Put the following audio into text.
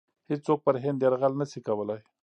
هیڅوک پر هند یرغل نه شي کولای.